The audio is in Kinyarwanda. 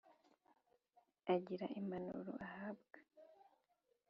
akagira impanuro ahabwa